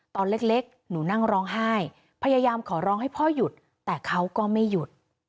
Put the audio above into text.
ตอนเล็กหนูนั่งร้องไห้พยายามขอร้องให้พ่อหยุดแต่เขาก็ไม่หยุด